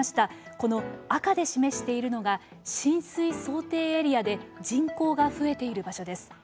この赤で示しているのが浸水想定エリアで人口が増えている場所です。